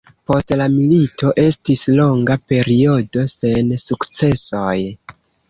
Post la milito, estis longa periodo sen sukcesoj.